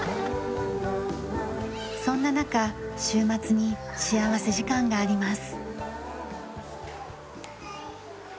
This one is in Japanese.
そんな中週末に幸福時間があります。